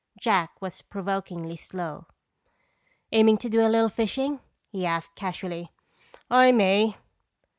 Jack was provokingly slow. "Aiming to do a little fishing?" he asked casually. "I may."